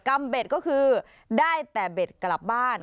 เบ็ดก็คือได้แต่เบ็ดกลับบ้าน